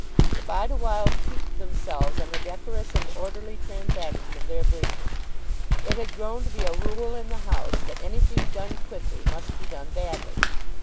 The Bideawhiles piqued themselves on the decorous and orderly transaction of their business. It had grown to be a rule in the house that anything done quickly must be done badly.